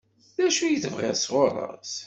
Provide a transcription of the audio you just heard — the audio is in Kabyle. D acu i tebɣiḍ sɣur-s?